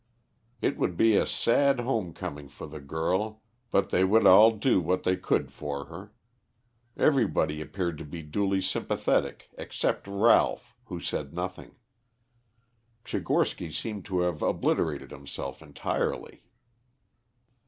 It would be a sad home coming for the girl, but they would all do what they could for her. Everybody appeared to be duly sympathetic except Ralph, who said nothing. Tchigorsky seemed to have obliterated himself entirely.